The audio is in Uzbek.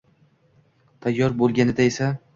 Tayyor bo'lganida esa